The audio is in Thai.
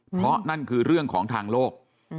เพราะนั่นคือเรื่องของทางโลก